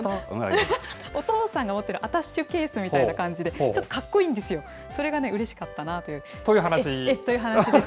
お父さんが持ってるアタッシュケースみたいな感じで、ちょっとかっこいいんですよ。という話？という話です。